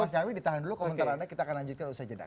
mas nyarwi ditahan dulu komentar anda kita akan lanjutkan usai jeda